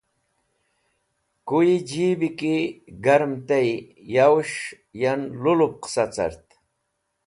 Kuye Jeebi ki Garem tey, Yowes̃h yan lu lup qasa cert